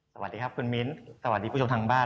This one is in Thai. สวัสดีครับคุณมิ้นสวัสดีผู้ชมทางบ้าน